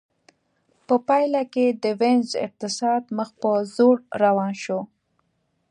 په پایله کې د وینز اقتصاد مخ په ځوړ روان شو